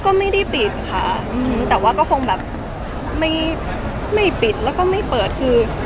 ก็ไม่ได้ปิดค่ะแต่ว่าก็คงแบบไม่ไม่ปิดแล้วก็ไม่เปิดคือ